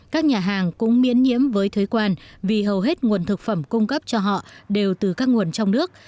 các nhà hàng cũng miễn nhiễm với thuế quan vì hầu hết nguồn thực phẩm cung cấp cho họ đều từ các nguồn trong nước